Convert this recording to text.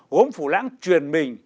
gốm phủ lãng truyền mình